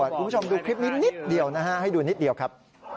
คุณผู้ชมดูคลิปนี้นิดเดียวนะฮะให้ดูนิดเดียวครับ